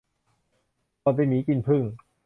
บ่นเป็นหมีกินผึ้ง